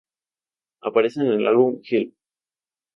Aparece en el álbum "Help!